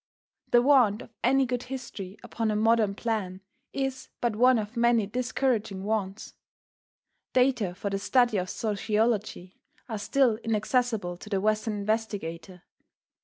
The want of any good history upon a modern plan is but one of many discouraging wants. Data for the study of sociology are still inaccessible to the Western investigator.